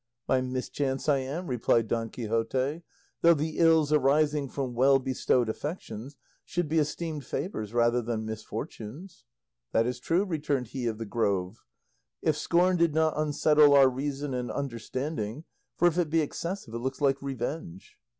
"By mischance I am," replied Don Quixote; "though the ills arising from well bestowed affections should be esteemed favours rather than misfortunes." "That is true," returned he of the Grove, "if scorn did not unsettle our reason and understanding, for if it be excessive it looks like revenge."